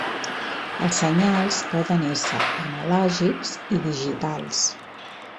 Els senyals poden ésser analògics i digitals.